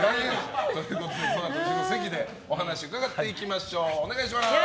このあと、後ろの席でお話伺っていきましょう。